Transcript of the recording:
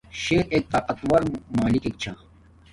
شر ایک طاقت ور مالک چھا